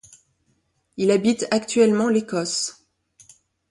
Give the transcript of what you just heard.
Il habite actuellement l'Écosse.